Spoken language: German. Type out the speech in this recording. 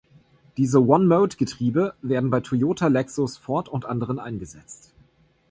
Diese "One-Mode-Getriebe" werden bei Toyota, Lexus, Ford und anderen eingesetzt.